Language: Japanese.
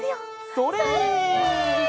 それ！